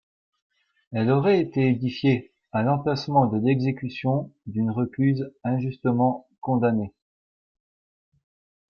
Elle aurait été édifiée à l'emplacement de l'exécution d'une recluse injustement condamnée.